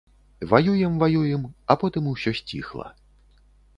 Ваюем-ваюем, а потым усё сціхла.